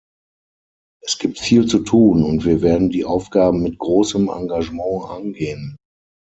Es gibt viel zu tun, und wir werden die Aufgaben mit großem Engagement angehen.